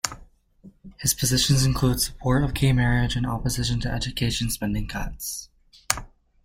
His positions include support of gay marriage and opposition to education spending cuts.